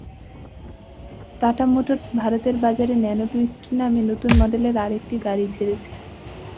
Tata Motors ভারতের বাজারে Nano Twist নামে নতুন মডেলের আরেকটি গাড়ি ছেড়েছে।